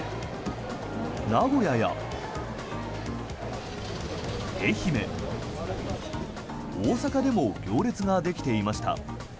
名古屋や、愛媛、大阪でも行列ができていました。